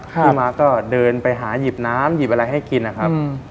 พี่มาก็เดินไปหาหยิบน้ำหยิบอะไรให้กินนะครับ